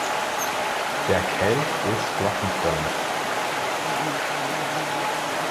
Der Kelch ist glockenförmig.